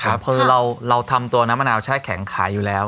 ครับเพราะเราเราทำตัวน้ำมะนาวแช่แข็งขายอยู่แล้ว